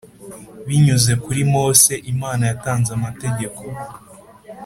binyuze kuri Mose Imana yatanze amategeko